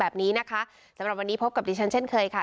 แบบนี้นะคะสำหรับวันนี้พบกับดิฉันเช่นเคยค่ะ